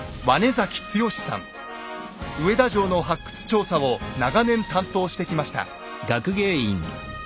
上田城の発掘調査を長年担当してきました。